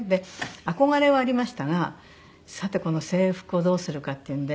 憧れはありましたがさてこの制服をどうするかっていうんで。